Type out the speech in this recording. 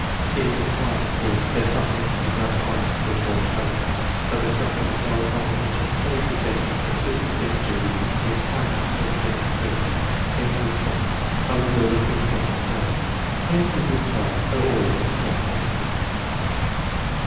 It is implied, of course, that something is to be done at once to avoid tardiness; but the subject of dull comprehension may suggest a suitable thing to do in case tardiness has been incurred. Hence the re sponse, "I would go to the principal and explain." Answers df this type are always unsatisfactory.